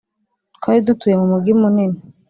twari dutuye mu mugi munini,